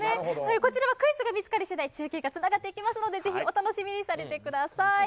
こちらはクイズが見つかりしだい、中継がつなげていきますので、ぜひお楽しみにされてください。